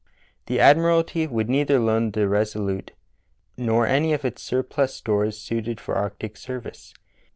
The admiralty would neither loan the Resolute nor any of its surplus stores suited for arctic service.